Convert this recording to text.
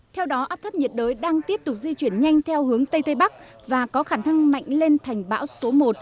theo đó áp thấp nhiệt đới đang tiếp tục di chuyển nhanh theo hướng tây tây bắc và có khả năng mạnh lên thành bão số một